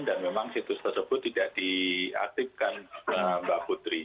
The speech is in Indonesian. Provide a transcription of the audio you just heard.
dan memang situs tersebut tidak diaktifkan mbak putri